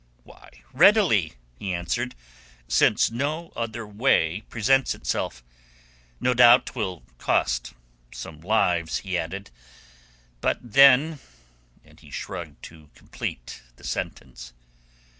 "Why, readily," he answered, "since no other way presents itself. No doubt 'twill cost some lives," he added, "but then...." And he shrugged to complete the sentence.